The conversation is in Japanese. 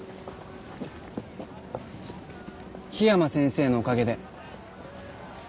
緋山先生のおかげで。